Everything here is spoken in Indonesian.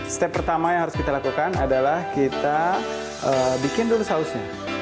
step pertama yang harus kita lakukan adalah kita bikin dulu sausnya